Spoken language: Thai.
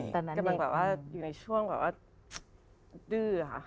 กำลังอยู่ในช่วงแบบว่าดื้อค่ะ